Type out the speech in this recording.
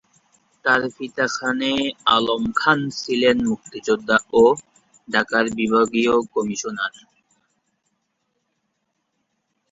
তার পিতা খানে আলম খান ছিলেন মুক্তিযুদ্ধা ও ঢাকার বিভাগীয় কমিশনার।